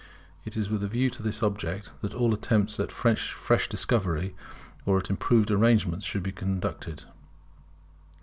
It is with a view to this object that all attempts at fresh discovery or at improved arrangement should be conducted.